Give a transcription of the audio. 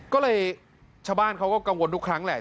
ก็เลยชาวบ้านเขาก็กังวลทุกครั้งแหละ